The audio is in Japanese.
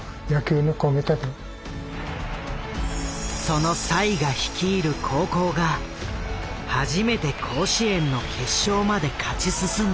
その栽が率いる高校が初めて甲子園の決勝まで勝ち進んだ。